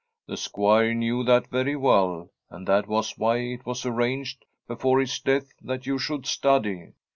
' The Squire knew that very well, and that was why it was arranged be fore his death that you should study.